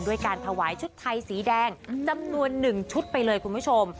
ด้วยการถวายชุดไทยสีแดงจำนวน๑ชุดไปเลยคุณผู้ชม